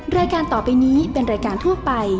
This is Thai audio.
รายการต่อไปนี้เป็นรายการทั่วไป